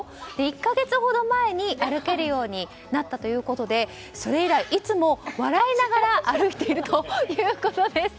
１か月ほど前に歩けるようになったということでそれ以来、いつも笑いながら歩いているということです。